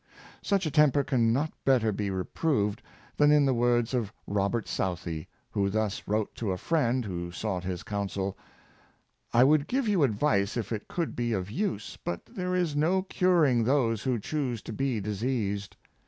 Such a temper can not better be reproved than in the words of Robert Southey, who thus wrote to a friend who souo^ht his counsel: '' I would o^ive vou advice if it could be of use; but there is no curing those who choose to be diseased.